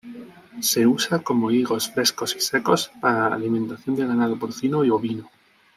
Se usa como higos frescos y secos para alimentación de ganado porcino y ovino.